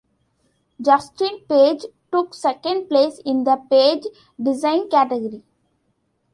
Justin Page took second place in the page design category.